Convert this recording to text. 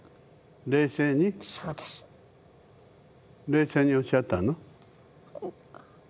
冷静におっしゃったの？